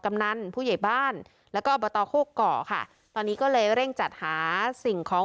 กำนันผู้ใหญ่บ้านแล้วก็อบตโคกเกาะค่ะตอนนี้ก็เลยเร่งจัดหาสิ่งของ